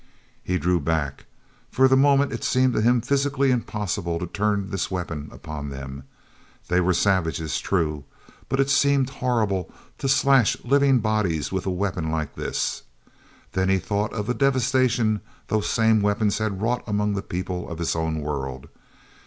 He drew back. For the moment it seemed to him physically impossible to turn this weapon upon them. They were savages, true, but it seemed horrible to slash living bodies with a weapon like this. Then he thought of the devastation those same weapons had wrought among the people of his own world.